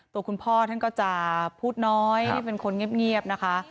ตัวคุณพ่อท่านก็จะพูดน้อยเป็นคนเงียบนะคะ